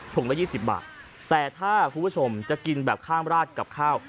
ละ๒๐บาทแต่ถ้าคุณผู้ชมจะกินแบบข้ามราดกับข้าว